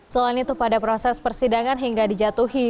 selain itu pada proses persidangan hingga dijatuhi